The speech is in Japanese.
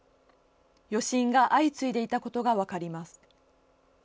余震が相次いでいたことが分かります。